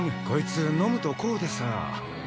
こいつ飲むとこうでさ。